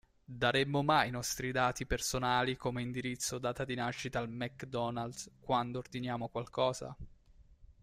Daremmo mai i nostri dati personali come indirizzo o data di nascita al McDonald's quando ordiniamo qualcosa?